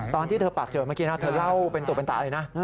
ตอนที่เธอปากเจอเมื่อกี้นะเธอเล่าเป็นตัวเป็นตาเลยนะ